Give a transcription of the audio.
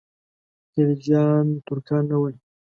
خلجیان ترکان نه ول.